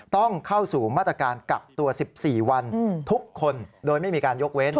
ต้องเข้าสู่มาตรการกักตัว๑๔วันทุกคนโดยไม่มีการยกเว้น